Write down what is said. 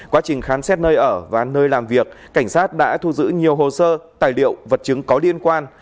quá trình khám xét nơi ở và nơi làm việc cảnh sát đã thu giữ nhiều hồ sơ tài liệu vật chứng có liên quan